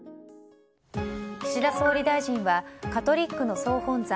岸田総理大臣はカトリックの総本山